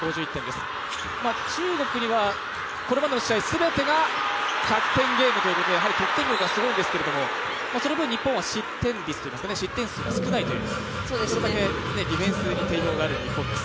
中国が５１点です、中国にはこれまでに試合全てが１００点ゲームということで、やはり得点力がすごいですけれども、その分日本は失点率といいますか失点数が少ないというディフェンスに定評がある日本です。